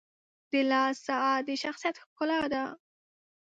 • د لاس ساعت د شخصیت ښکلا ده.